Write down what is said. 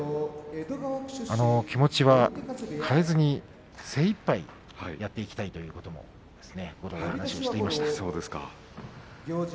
気持ちは変えずに精いっぱいやっていきたいということも話をしていました。